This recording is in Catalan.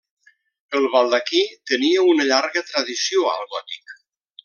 El baldaquí tenia una llarga tradició al gòtic.